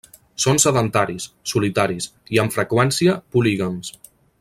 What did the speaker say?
Són sedentaris, solitaris i, amb freqüència, polígams.